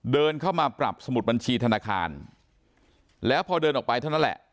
เดินเข้ามาปรับสมุดบัญชีธนาคารแล้วพอเดินออกไปเท่านั้นแหละ